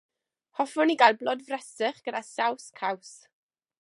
Hoffwn i gael blodfresych gyda saws caws.